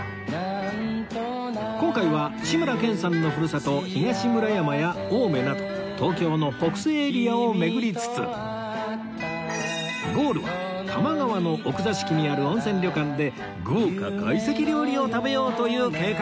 今回は志村けんさんのふるさと東村山や青梅など東京の北西エリアを巡りつつゴールは多摩川の奥座敷にある温泉旅館で豪華会席料理を食べようという計画